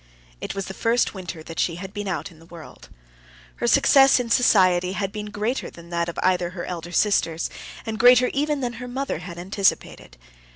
It was the first winter that she had been out in the world. Her success in society had been greater than that of either of her elder sisters, and greater even than her mother had anticipated.